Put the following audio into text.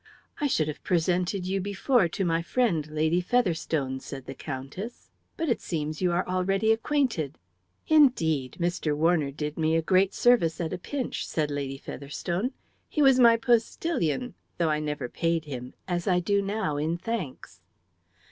"I should have presented you before to my friend, Lady Featherstone," said the Countess, "but it seems you are already acquainted." "Indeed, Mr. Warner did me a great service at a pinch," said Lady Featherstone. "He was my postillion, though I never paid him, as I do now in thanks."